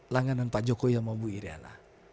langganan pak jokowi sama bu iryana